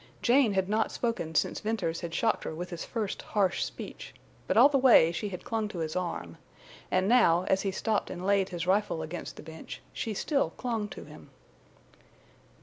Jane had not spoken since Venters had shocked her with his first harsh speech; but all the way she had clung to his arm, and now, as he stopped and laid his rifle against the bench, she still clung to him.